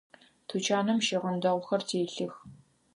Тучаным щыгъын дэгъухэр телъых.